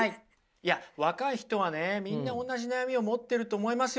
いや若い人はねみんな同じ悩みを持ってると思いますよ